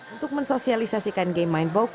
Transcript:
untuk mensosialisasikan game mindvogue